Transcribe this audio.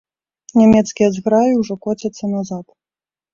Нямецкія зграі ўжо коцяцца назад.